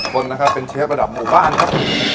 วุ้นเป็นเชฟระดับหมู่บ้านครับ